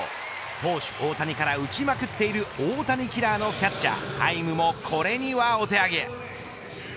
投手大谷から打ちまくっている大谷キラーのキャッチャー、ハイムもこれにはお手上げ。